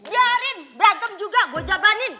biarin berantem juga gue jabarin